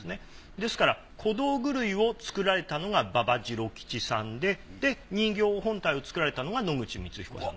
ですから小道具類を作られたのが馬場治郎吉さんでで人形本体を作られたのが野口光彦さん。